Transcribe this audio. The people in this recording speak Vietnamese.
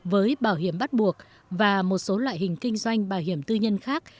với bảo hiểm bắt buộc và một số loại hình kinh doanh bảo hiểm tư nhân khác